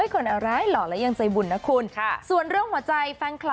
ไปแหละ๒เดือนคะ